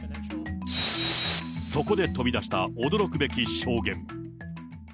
そこで飛び出した驚くべき証言。